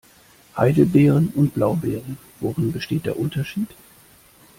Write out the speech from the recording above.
Heidelbeeren und Blaubeeren - worin besteht der Unterschied?